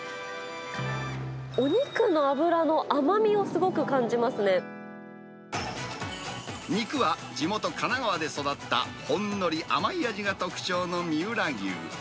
お肉の脂の甘みをすごく感じ肉は地元、神奈川で育った、ほんのり甘い味が特徴の三浦牛。